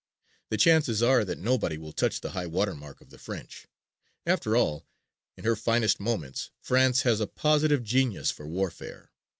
The chances are that nobody will touch the high water mark of the French. After all, in her finest moments, France has a positive genius for warfare.